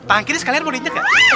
tangan kiri sekalian mau nginjek gak